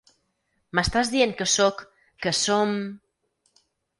M'estàs dient que sóc, que som...?